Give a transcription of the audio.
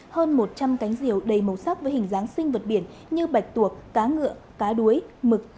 hơn một trăm linh cánh rìu đầy màu sắc với hình giáng sinh vật biển như bạch tuộc cá ngựa cá đuối mực